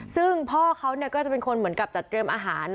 ซึ่งพ่อเขาก็จะเป็นคนเหมือนกับจัดเตรียมอาหาร